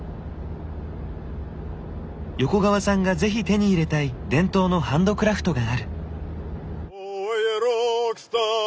横川さんがぜひ手に入れたい伝統のハンドクラフトがある。